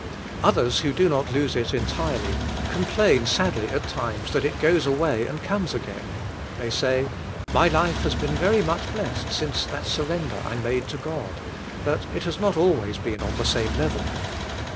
Others who do not lose it entirely, complain sadly at times, that it goes away and comes again. They say: "My life has been very much blessed since that surrender I made to God, but it has not al ways been on the same level."